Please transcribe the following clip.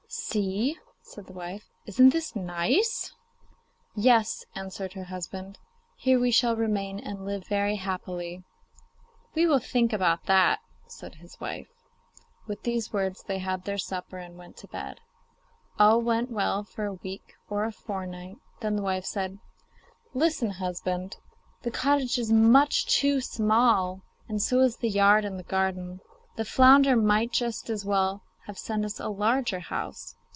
'See,' said the wife, 'isn't this nice?' 'Yes,' answered her husband; 'here we shall remain and live very happily.' 'We will think about that,' said his wife. With these words they had their supper and went to bed. All went well for a week or a fortnight, then the wife said: 'Listen, husband; the cottage is much too small, and so is the yard and the garden; the flounder might just as well have sent us a larger house.